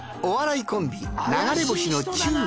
お笑いコンビ